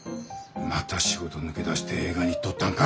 また仕事抜け出して映画に行っとったんか。